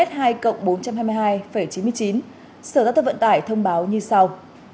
sở giao thông vận tải thông báo như sau